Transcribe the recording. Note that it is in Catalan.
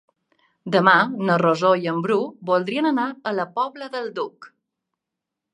Demà na Rosó i en Bru voldrien anar a la Pobla del Duc.